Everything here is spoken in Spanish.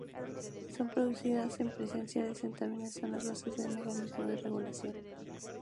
Son producidas en presencia de contaminantes y son la base del mecanismo de regulación.